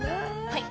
はい！